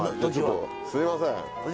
すいません。